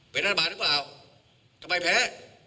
เป็นรัฐบาลหรือเปล่าทำไมแพ้